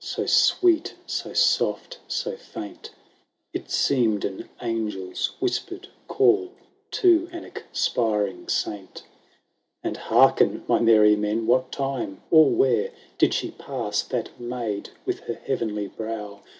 So sweet, so soft, so fiunt. It seemed an angels whispered call To an expiring saint ? And hearken, my meny men I What time or where Did she pass, that maid with her heavenly brow.